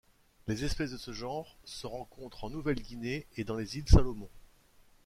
Les espèces de ce genre se rencontrent en Nouvelle-Guinée et dans les îles Salomon.